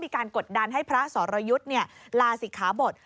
กดดันให้พระสรยุทธ์ลาศิกขาบท